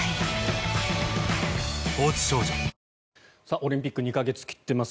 オリンピック２か月切ってます。